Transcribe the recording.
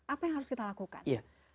apa yang harus kita lakukan